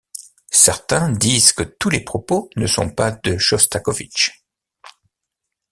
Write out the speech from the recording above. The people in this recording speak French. Certains disent que tous les propos ne sont pas de Chostakovitch.